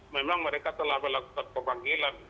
memang mereka telah melakukan pemanggilan